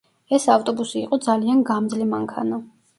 ეს ავტობუსი იყო ძალიან გამძლე მანქანა.